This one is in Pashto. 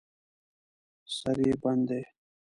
سر یې بند دی.